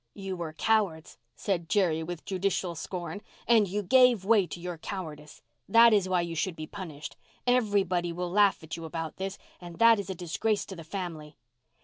"You were cowards," said Jerry with judicial scorn, "and you gave way to your cowardice. That is why you should be punished. Everybody will laugh at you about this, and that is a disgrace to the family."